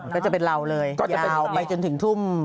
ก็จะเป็นเราเลยก็ยาวไปจนถึงทุ่ม